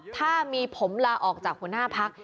ถ้ามีผมลาออกจากหัวหน้าพัก